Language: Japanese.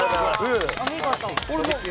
お見事。